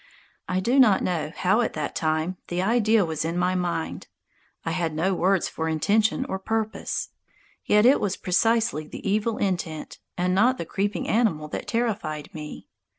I do not know how at that time the idea was in my mind; I had no words for intention or purpose. Yet it was precisely the evil intent, and not the creeping animal that terrified me.